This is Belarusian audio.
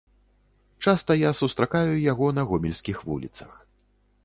Часта я сустракаю яго на гомельскіх вуліцах.